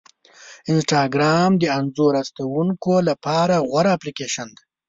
انسټاګرام د انځور ایستونکو لپاره غوره اپلیکیشن دی.